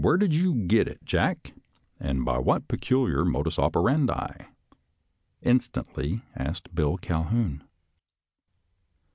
" Where did you get it. Jack, and by what peculiar modus operandi? " instantly asked Bill Calhoun.